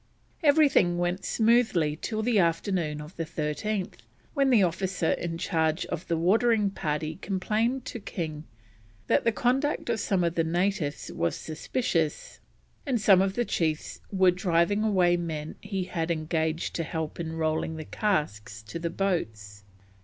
Everything went smoothly till the afternoon of the 13th, when the officer in charge of the watering party complained to King that the conduct of some of the natives was suspicious, and some of the chiefs were driving away men he had engaged to help in rolling the casks to the boats.